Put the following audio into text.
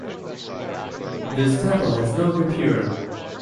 This temple has no gopuram.